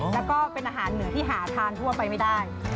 แล้วก็เป็นอาหารเหนือที่หาทานทั่วไปไม่ได้